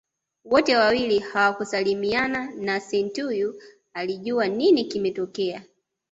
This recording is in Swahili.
Wote wawili hawakusalimiana na Santeu alijua nini kimetokea